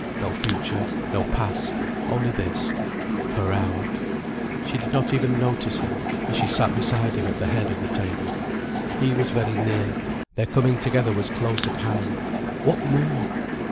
No future, no past, only this, her hour. She did not even notice him, as she sat beside him at the head of the table. He was very near, their coming together was close at hand. What more!